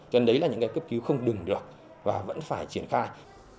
cho nên đấy là những cái cấp cứu không đừng được và vẫn phải triển khai